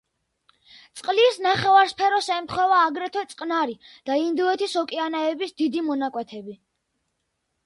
წყლის ნახევარსფეროს ემთხვევა აგრეთვე წყნარი და ინდოეთის ოკეანეების დიდი მონაკვეთები.